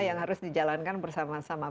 yang harus dijalankan bersama sama